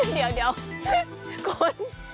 เดี๋ยวคุณ